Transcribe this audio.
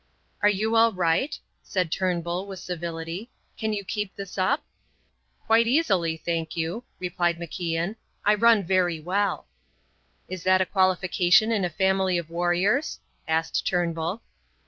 "Are you all right?" said Turnbull, with civility. "Can you keep this up?" "Quite easily, thank you," replied MacIan. "I run very well." "Is that a qualification in a family of warriors?" asked Turnbull.